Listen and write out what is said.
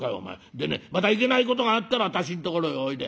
でねまたいけないことがあったら私んところへおいで。